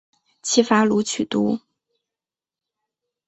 齐伐鲁取都。